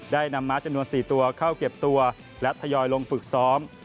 ได้นำม้าจำนวน๔ตัวเข้าเก็บตัวและทยอยลงฝึกซ้อม